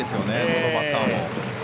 どのバッターも。